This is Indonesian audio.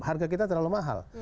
harga kita terlalu mahal